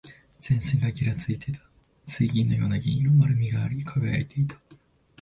全身がぎらついていた。水銀のような銀色。丸みがあり、輝いていた。